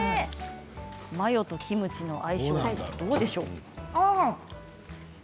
マヨとキムチの相性はどうでしょうか。